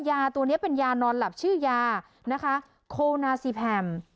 ยาตัวนี้เป็นยานอนหลับชื่อยานะคะโคนาซีแพม